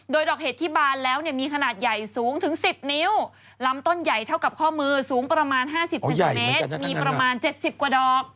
โดยดอกเห็ดที่บานแล้วเนี่ยมีขนาดใหญ่สูงถึง๑๐นิ้วลำต้นใหญ่เท่ากับข้อมือสูงประมาณ๕๐เซนติเมตรมีประมาณ๗๐กว่าดอก